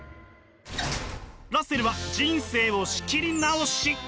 ラッセルは人生を仕切り直し！